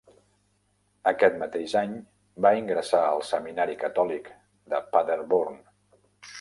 Aquest mateix any, va ingressar al seminari catòlic de Paderborn.